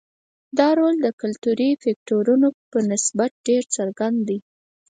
دا رول د کلتوري فکټورونو په نسبت ډېر څرګند دی.